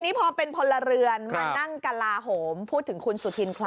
นี่พอเป็นพลเรือนมานั่งกลาโหมพูดถึงคุณสุธินคลอ